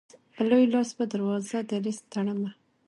په لوی لاس به دروازه د رزق تړمه